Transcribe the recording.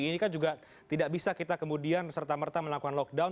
ini kan juga tidak bisa kita kemudian serta merta melakukan lockdown